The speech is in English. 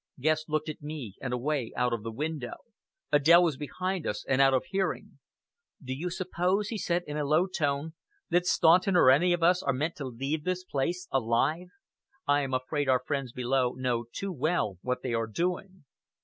Guest looked at me and away out of the window. Adèle was behind us, and out of hearing. "Do you suppose," he said in a low tone, "that Staunton or any of us are meant to leave this place alive? I am afraid our friends below know too well what they are doing."